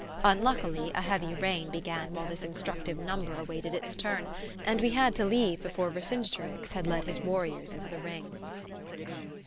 Unluckily a heavy rain began while this instructive "number" awaited its turn, and we had to leave before Vercingetorix had led his warriors into the ring...